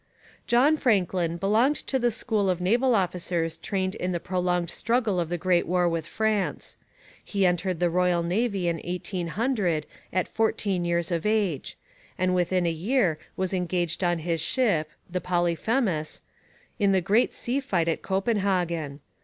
John Franklin belonged to the school of naval officers trained in the prolonged struggle of the great war with France. He entered the Royal Navy in 1800 at fourteen years of age, and within a year was engaged on his ship, the Polyphemus, in the great sea fight at Copenhagen.